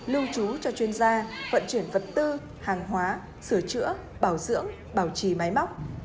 lưu trú cho chuyên gia vận chuyển vật tư hàng hóa sửa chữa bảo dưỡng bảo trì máy móc